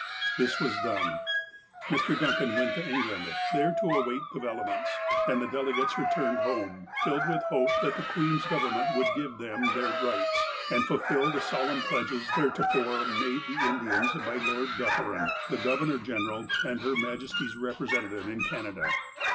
This was done. Mr. Duncan went to England, there to await develop ments, and the delegates returned home, filled with hope that the Queen's Government would give them their rights, and fulfill the solemn pledges theretofore made to the Indians by Lord Dufferin, the Governor General and Her Majesty's representative in Canada.